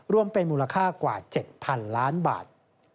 รวมเป็นมูลค่ากว่า๗๐๐๐ล้านบาท